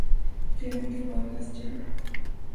Clemente Vargas Jr.